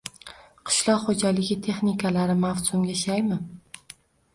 Qishloq xo‘jaligi texnikalari mavsumga shaymi